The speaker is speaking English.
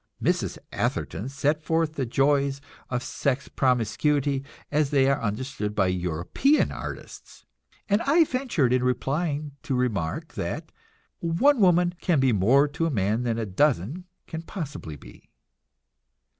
Mrs. Atherton set forth the joys of sex promiscuity as they are understood by European artists, and I ventured in replying to remark that "one woman can be more to a man than a dozen can possibly be."